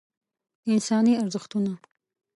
انساني ارزښتونه